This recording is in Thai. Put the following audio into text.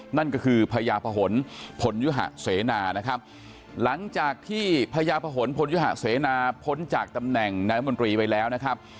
นั่นก็คือพญาพะหนพลยุหะเสนานะครับหลังจากที่พญาพะหนพลยุหะเสนาพ้นจากตำแหน่งนายมนตรีไปแล้วนะครับ